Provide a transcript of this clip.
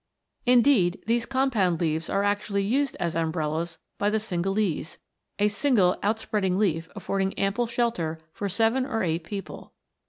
Indeed, these compound leaves are actually used as umbrellas by the Cingalese, a single out spreading leaf afford ing ample shelter for seven or eight people.